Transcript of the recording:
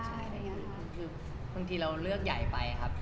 บางทีเราเลือกใหญ่ไปครับ